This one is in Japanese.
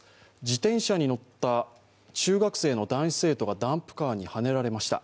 自転車に乗った中学生の男子生徒がダンプカーにはねられました。